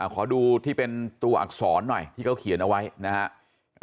ขอดูที่เป็นตัวอักษรหน่อยที่เขาเขียนเอาไว้นะครับ